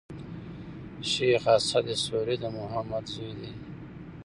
شېخ اسعد سوري د محمد زوی دﺉ.